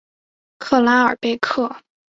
克拉尔贝克。